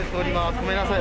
ごめんなさい。